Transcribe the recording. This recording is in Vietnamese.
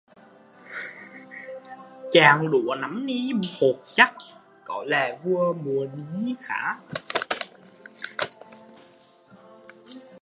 Chẹn lúa năm ni hột chắc, có lẽ vụ mùa ni khá